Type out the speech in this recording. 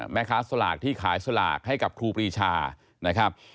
แม่ค้าสลากที่ขายสลากให้กับครูปรีชานะครับ